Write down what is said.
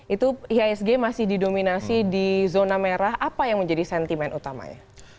itu ihsg masih didominasi di zona merah apa yang menjadi sentimen utamanya